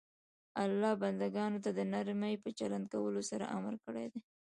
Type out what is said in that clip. الله ج بنده ګانو ته د نرمۍ په چلند کولو سره امر کړی ده.